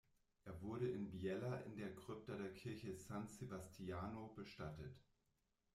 Er wurde in Biella in der Krypta der Kirche "San Sebastiano" bestattet.